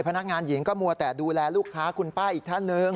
พนักงานหญิงก็มัวแต่ดูแลลูกค้าคุณป้าอีกท่านหนึ่ง